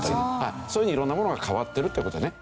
そういうふうに色んなものが変わってるという事ね。